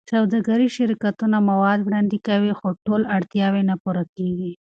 سوداګریز شرکتونه مواد وړاندې کوي، خو ټول اړتیاوې نه پوره کېږي.